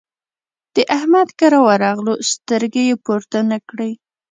د احمد کره ورغلو؛ سترګې يې پورته نه کړې.